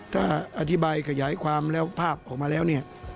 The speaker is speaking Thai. ถ้าอธิบายขยายความแล้วภาพออกมาแล้วเนี่ย